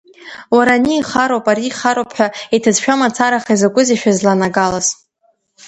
Уара, ани иахароуп, ари иахароуп ҳәа иҭыӡшәа мацараха изакәызеи шәызланагалаз!